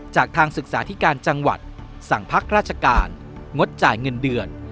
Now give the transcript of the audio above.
ทางศึกษาธิการจังหวัดสั่งพักราชการงดจ่ายเงินเดือน